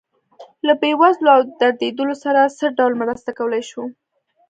له بې وزلو او دردېدلو سره څه ډول مرسته کولی شو.